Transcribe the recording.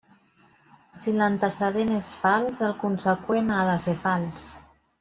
Si l'antecedent és fals, el conseqüent ha de ser fals.